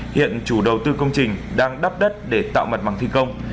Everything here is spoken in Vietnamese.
hiện chủ đầu tư công trình đang đắp đất để tạo mặt bằng thi công